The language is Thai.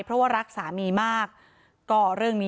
เพราะไม่เคยถามลูกสาวนะว่าไปทำธุรกิจแบบไหนอะไรยังไง